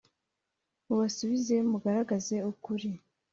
mubasubize mugaragaze ukuri